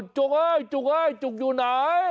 จุกเอ้ยจุกเอ้ยจุกอยู่ไหน